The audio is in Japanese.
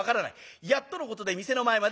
やっとのことで店の前までたどり。